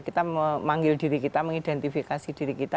kita memanggil diri kita mengidentifikasi diri kita